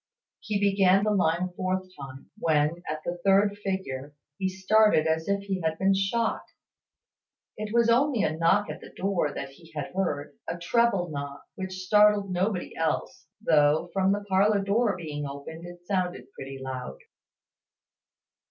He began the line a fourth time, when, at the third figure, he started as if he had been shot. It was only a knock at the door that he had heard; a treble knock, which startled nobody else, though, from the parlour door being open, it sounded pretty loud.